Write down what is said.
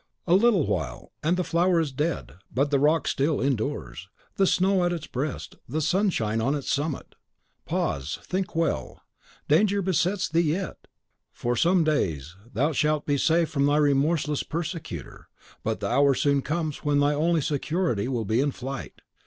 A little while, and the flower is dead; but the rock still endures, the snow at its breast, the sunshine on its summit. Pause, think well. Danger besets thee yet. For some days thou shalt be safe from thy remorseless persecutor; but the hour soon comes when thy only security will be in flight.